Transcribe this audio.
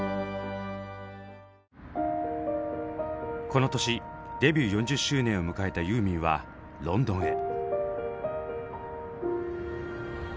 この年デビュー４０周年を迎えたユーミンはロンドンへ。